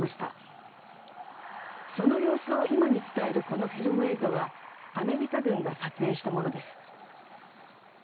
その様子を今に伝えるこのフィルム映像はアメリカ軍が撮影したものです。